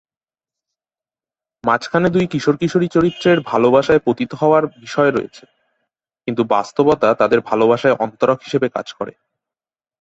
মাঝখানে দুই কিশোর-কিশোরী চরিত্রের ভালোবাসায় পতিত হওয়ার বিষয় রয়েছে কিন্তু বাস্তবতা তাদের ভালোবাসায় অন্তরক হিসেবে কাজ করে।